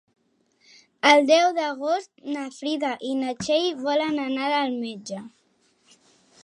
El deu d'agost na Frida i na Txell volen anar al metge.